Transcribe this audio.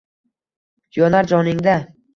Yonar joningda.